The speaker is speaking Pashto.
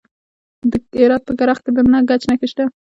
د هرات په کرخ کې د ګچ نښې شته.